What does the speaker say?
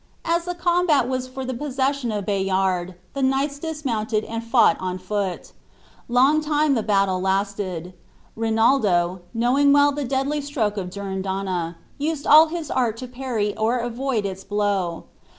As the combat was for the possession of Bayard, the knights dismounted and fought on foot. Long time the battle lasted. Rinaldo, knowing well the deadly stroke of Durindana, used all his art to parry or avoid its blow.